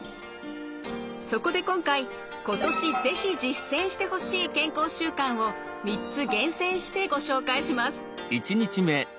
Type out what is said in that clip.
そこで今回今年是非実践してほしい健康習慣を３つ厳選してご紹介します。